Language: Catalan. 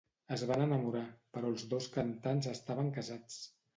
Es van enamorar, però els dos cantants estaven casats.